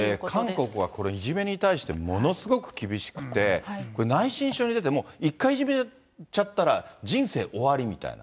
韓国はいじめに対してものすごく厳しくて、これ、内申書に出ても、１回いじめちゃったら人生終わりみたいな。